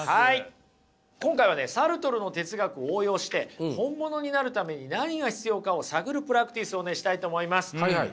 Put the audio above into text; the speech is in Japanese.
今回はねサルトルの哲学を応用して本物になるために何が必要かを探るプラクティスをねしたいと思います。